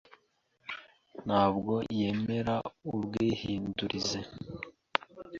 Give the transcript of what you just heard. ntabwo yemera ubwihindurize.